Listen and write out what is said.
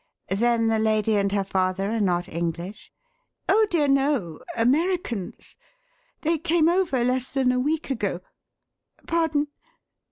_ Then the lady and her father are not English?" "Oh, dear, no Americans. They came over less than a week ago. Pardon?